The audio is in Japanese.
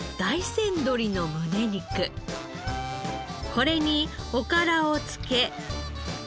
これにおからをつけ。